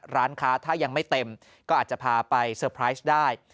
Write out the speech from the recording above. ร้านค้าถ้ายังไม่เต็มก็อาจจะพาไปเซอร์ไพรส์ได้